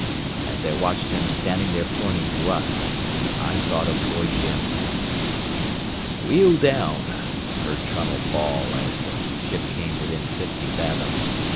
As I watched him standing there pointing to us, I thought of poor Jim. "Wheel down," I heard Trunnell bawl as the ship came within fifty fathom.